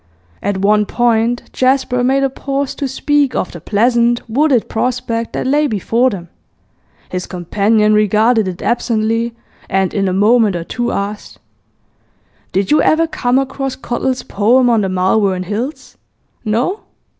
At one point Jasper made a pause to speak of the pleasant wooded prospect that lay before them; his companion regarded it absently, and in a moment or two asked: 'Did you ever come across Cottle's poem on the Malvern Hills? No?